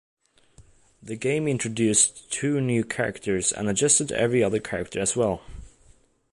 The game introduced two new characters and adjusted every other character as well.